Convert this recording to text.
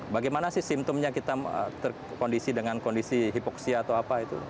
bagaimana sih simptomnya kita terkondisi dengan kondisi hipoksia atau apa itu